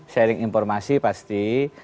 sharing informasi pasti